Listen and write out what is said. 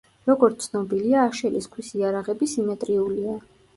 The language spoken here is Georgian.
როგორც ცნობილია, აშელის ქვის იარაღები სიმეტრიულია.